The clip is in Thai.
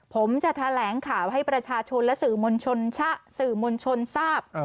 ผมจะแถลงข่าวให้ประชาชนและสื่อมวลชนชะสื่อมวลชนทราบ